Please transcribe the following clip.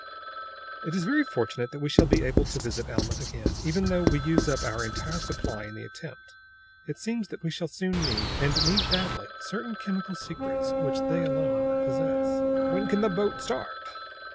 "It is very fortunate that we shall be able to visit Alma again, even though we use up our entire supply in the attempt. It seems that we shall soon need, and need badly, certain chemical secrets which they alone possess." "When can the boat start?"